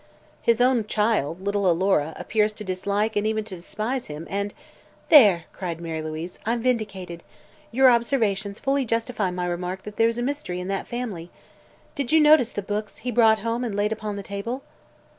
His own child, little Alora, appears to dislike and even to despise him, and " "There!" cried Mary Louise. "I'm vindicated. Your observations fully justify my remark that there's a mystery in that family. Did you notice the books he brought home and laid upon the table?"